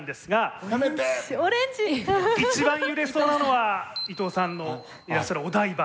一番揺れそうなのは伊藤さんのいらっしゃるお台場ですよね。